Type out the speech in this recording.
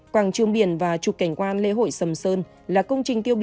quảng trường biển và trục cảnh quan lễ hội sầm sơn là công trình tiêu biểu